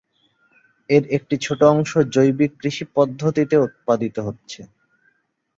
এর একটি ছোট অংশ জৈবিক কৃষি পদ্ধতিতে উৎপাদিত হচ্ছে।